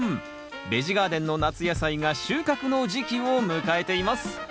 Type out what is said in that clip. ベジ・ガーデンの夏野菜が収穫の時期を迎えています。